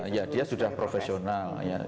iya dia sudah profesional